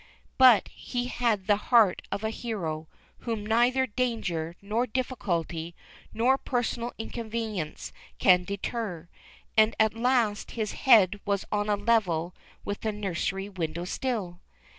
But he had the heart of a hero, whom neither danger, nor difficulty, nor personal inconvenience can deter, and at last his head was on a level with the nurseiy window sill.